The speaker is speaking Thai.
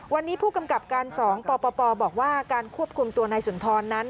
วันนี้ผู้กำกับการ๒ปปบอกว่าการควบคุมตัวนายสุนทรนั้น